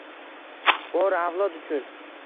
Bor avlod uchun